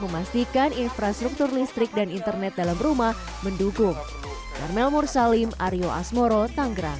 memastikan infrastruktur listrik dan internet dalam rumah mendukung karmel mursalim aryo asmoro tanggerang